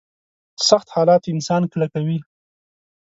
سخت حالات انسان کلکوي.